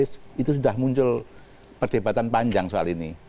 itu sudah muncul perdebatan panjang soal ini